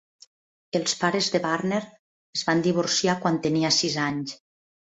Els pares de Warner es van divorciar quan tenia sis anys.